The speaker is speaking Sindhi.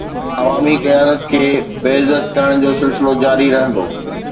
عوامي قيادت کي بي عزت ڪرڻ جو سلسلو جاري رهندو.